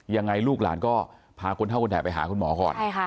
ยังไงลูกหลานก็พาคนเท่าคนใหม่ไปหาคุณหมอก่อนใช่ค่ะค่ะ